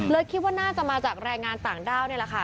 คิดว่าน่าจะมาจากแรงงานต่างด้าวนี่แหละค่ะ